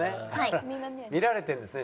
見られてるんですね